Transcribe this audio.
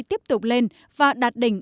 tiếp tục lên và đạt đỉnh